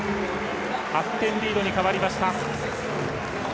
８点リードに変わりました。